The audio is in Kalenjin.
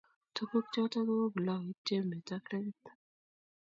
Tuguk chotok kou plauit jembet ak rekit